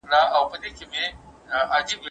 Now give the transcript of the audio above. متحرکه ټولنپوهنه پرمختګ ته ارزښت ورکوي.